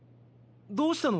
どうしたの？